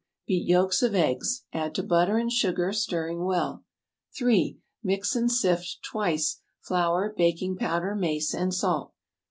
Beat yolks of eggs. Add to butter and sugar, stirring well. 3. Mix and sift twice flour, baking powder, mace and salt.